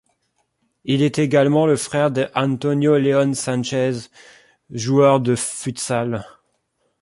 Il est également le frère de Antonio Léon Sanchez, joueur de futsal.